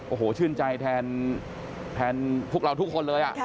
โอ้โหชื่นใจแทนพวกเราทุกคนเลย